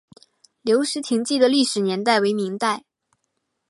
留石亭记的历史年代为明代。